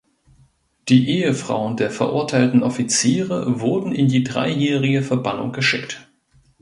Die Ehefrauen der verurteilten Offiziere wurden in die dreijährige Verbannung geschickt.